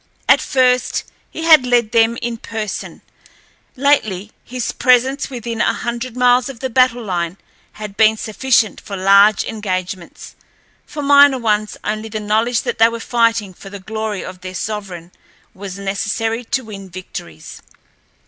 At first he had led them in person, lately his presence within a hundred miles of the battle line had been sufficient for large engagements—for minor ones only the knowledge that they were fighting for the glory of their sovereign was necessary to win victories.